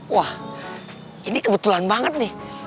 wah ini kebetulan banget nih